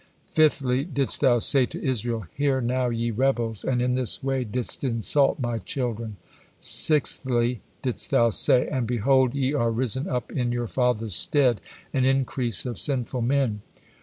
Fifthly didst thou say to Israel, 'Hear now, ye rebels,' and in this way didst insult My children. Sixthly didst thou say, 'And behold, ye are risen up in your fathers' stead, an increase of sinful men.'